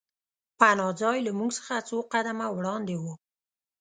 پناه ځای له موږ څخه څو سوه قدمه وړاندې و